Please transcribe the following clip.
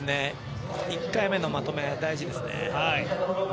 １回目のまとめ、大事ですね。